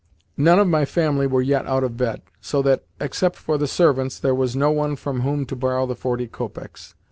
None of my family were yet out of bed, so that, except for the servants, there was no one from whom to borrow the forty copecks.